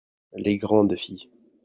les grandes filles.